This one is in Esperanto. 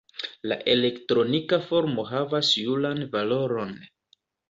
La elektronika formo havas juran valoron.